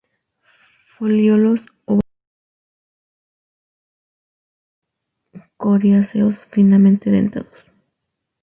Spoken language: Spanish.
Folíolos ovados, coriáceos, finamente dentados.